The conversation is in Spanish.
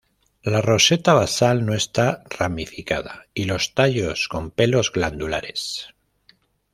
La roseta basal no está ramificada y los tallos con pelos glandulares.